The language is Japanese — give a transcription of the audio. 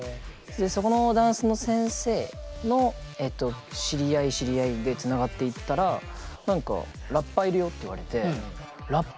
そこのダンスの先生の知り合い知り合いでつながっていったら何か「ラッパーいるよ」って言われて「ラップ！？」と思って。